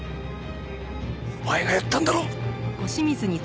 お前がやったんだろ？